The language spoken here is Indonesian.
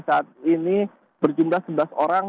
saat ini berjumlah sebelas orang